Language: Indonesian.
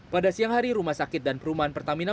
pada siang hari rumah sakit dan perumahan pertamina